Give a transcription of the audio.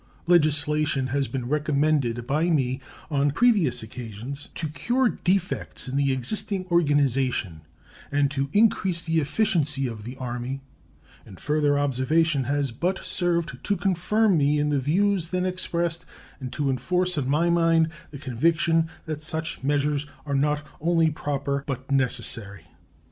Legislation has been recommended by me on previous occasions to cure defects in the existing organization and to increase the efficiency of the Army, and further observation has but served to confirm me in the views then expressed and to enforce on my mind the conviction that such measures are not only proper, but necessary.